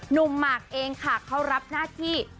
หมากเองค่ะเขารับหน้าที่